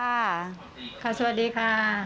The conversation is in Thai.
สวัสดีค่ะ